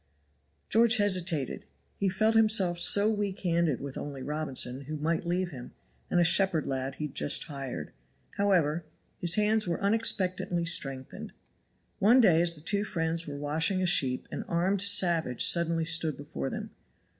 George hesitated. He felt himself so weak handed with only Robinson, who might leave him, and a shepherd lad he had just hired. However his hands were unexpectedly strengthened. One day as the two friends were washing a sheep an armed savage suddenly stood before them.